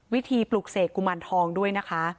วิธีปลุกเสกกุมารทองด้วยนะคะ